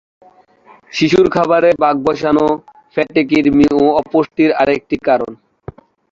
শিশুর খাবারে ভাগবসানো পেটের কৃমি ও অপুষ্টির আরেকটি কারণ।